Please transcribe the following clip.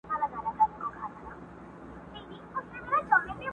ما مي په اورغوي کي د فال نښي وژلي دي!.